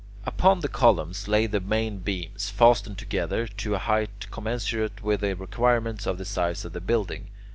Upon the columns lay the main beams, fastened together, to a height commensurate with the requirements of the size of the building.